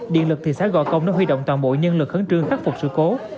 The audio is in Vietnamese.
điện lực thị xã gò công đã huy động toàn bộ nhân lực khẩn trương khắc phục sự cố